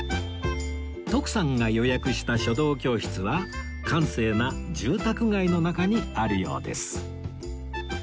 徳さんが予約した書道教室は閑静な住宅街の中にあるようです